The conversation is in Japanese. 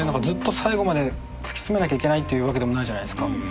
ずっと最後まで突き詰めなきゃいけないっていうわけでもないじゃないですか。